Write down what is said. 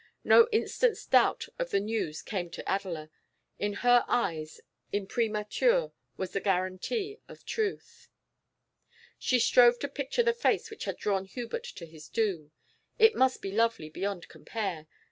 No instant's doubt of the news came to Adela; in her eyes imprimatur was the guarantee of truth. She strove to picture the face which had drawn Hubert to his doom. It must be lovely beyond compare.